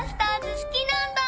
すきなんだ。